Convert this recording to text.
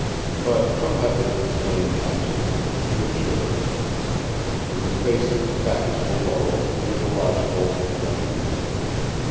But Marette would explain that, too. He was sure of it. In the face of the facts below he was illogical and unreasonable.